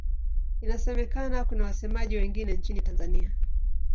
Inasemekana kuna wasemaji wengine nchini Tanzania.